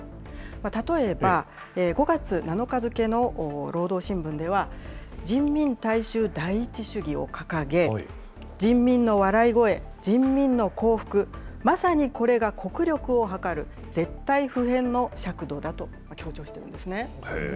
例えば、５月７日付の労働新聞では、人民大衆第一主義を掲げ、掲げ、人民の笑い声、人民の幸福、まさにこれが国力を測る絶対不変の尺度だと強調しているんですね。